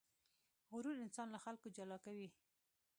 غرور انسان له خلکو جلا کوي.